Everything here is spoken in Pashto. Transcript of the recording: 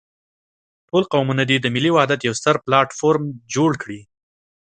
ټول قومونه دې د ملي وحدت يو ستر پلاټ فورم جوړ کړي.